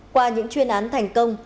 qua những chuyên án thành công